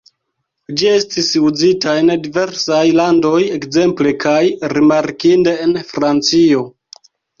Ĝi estis uzita en diversaj landoj, ekzemple kaj rimarkinde en Francio.